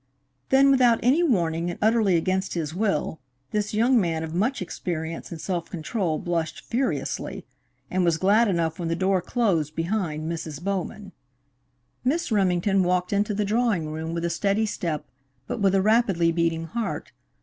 Then, without any warning and utterly against his will, this young man of much experience and self control blushed furiously, and was glad enough when the door closed behind Mrs. Bowman. Miss Remington walked into the drawing room with a steady step, but with a rapidly beating heart.